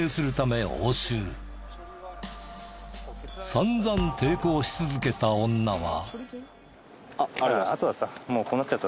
散々抵抗し続けた女は。